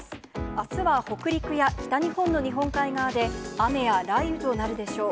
あすは北陸や北日本の日本海側で、雨や雷雨となるでしょう。